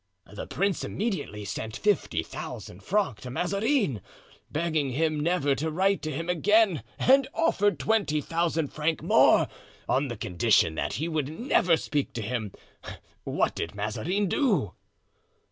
"The prince immediately sent fifty thousand francs to Mazarin, begging him never to write to him again, and offered twenty thousand francs more, on condition that he would never speak to him. What did Mazarin do?"